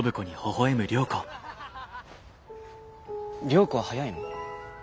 良子は速いの？